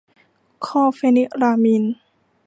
คลอร์เฟนิรามีน